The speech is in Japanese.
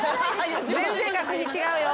全然学費違うよ。